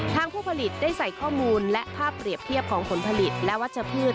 ผู้ผลิตได้ใส่ข้อมูลและภาพเปรียบเทียบของผลผลิตและวัชพืช